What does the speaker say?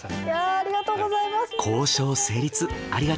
ありがとうございます。